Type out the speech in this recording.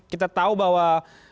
kita tahu bahwa